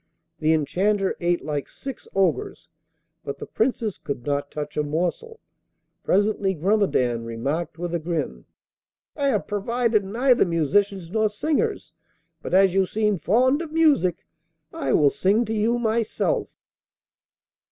The Enchanter ate like six ogres, but the Princess could not touch a morsel. Presently Grumedan remarked with a grin: 'I have provided neither musicians nor singers; but as you seem fond of music I will sing to you myself.